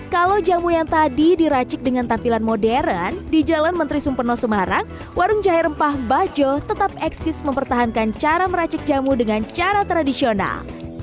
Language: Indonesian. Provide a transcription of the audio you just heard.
kalau jamu yang tadi diracik dengan tampilan modern di jalan menteri sumpeno semarang warung jahe rempah bajo tetap eksis mempertahankan cara meracik jamu dengan cara tradisional